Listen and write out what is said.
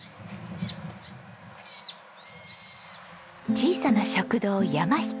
小さな食堂山ひこ